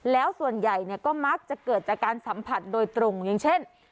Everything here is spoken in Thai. แล้วส่วนใหญ่ก็มักจะเกิดจากการสัมผัสโดยตรงอย่างเช่น